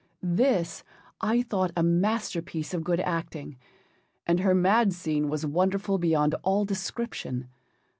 This I thought a masterpiece of good acting, and her mad scene was wonderful beyond all description.